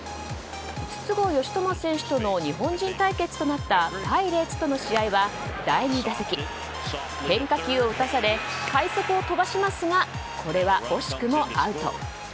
筒香嘉智選手との日本人対決となったパイレーツとの試合は第２打席変化球を打たされ快足を飛ばしますがこれは惜しくもアウト。